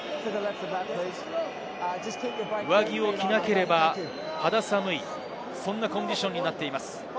上着を着なければ肌寒い、そんなコンディションになっています。